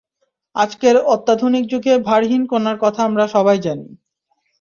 আজকের অত্যাধুনিক যুগে ভরহীন কণার কথা আমরা সবাই জানি।